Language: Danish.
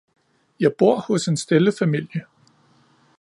Jeg bor hos en stille familie